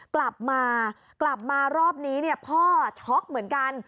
กลับมากลับมารอบนี้เนี่ยพ่อช็อกเหมือนกัน